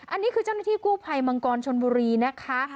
อันนี้คือเจ้าหน้าที่กู้ภัยมังกรชนบุรีนะคะ